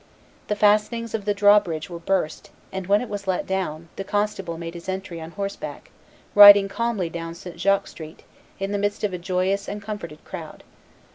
The fastenings of the drawbridge were burst, and when it was let down, the constable made his entry on horseback, riding calmly down St. Jacques Street, in the midst of a joyous and comforted crowd.